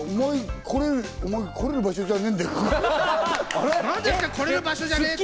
お前が来れる場所じゃねえん